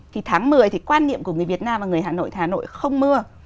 thì tháng một mươi thì quan niệm của người việt nam và người hà nội hà nội không mưa